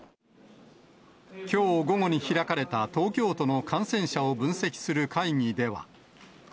きょう午後に開かれた東京都の感染者を分析する会議では。